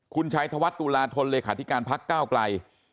คุณชัยธวัฒนตุลาธนเลขาธิการพักก้าวไกล